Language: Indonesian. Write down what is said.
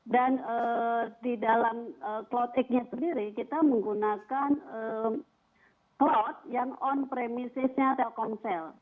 dan di dalam cloudx nya sendiri kita menggunakan cloud yang on premisesnya telkomsel